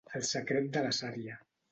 El secret de la sària.